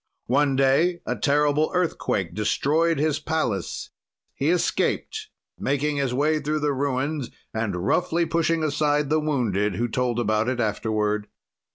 "One day, a terrible earthquake destroyed his palace; he escaped, making his way through the ruins and roughly pushing aside the wounded who told about it afterward.